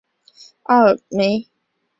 奥尔梅。